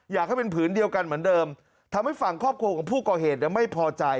อยากให้เป็นผืนเดียวกันเหมือนเดิมทำให้ฝั่งครอบครัวของผู้ก่อเหตุไม่พอใจ